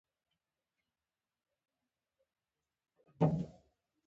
پوهه رڼا ده او ناپوهي تیاره ده.